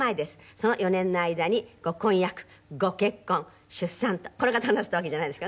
その４年の間にご婚約ご結婚出産とこの方がなすったわけじゃないんですけど。